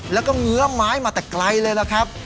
แล้วก็เงื้อไม้มาแต่ไกลเลยล่ะครับ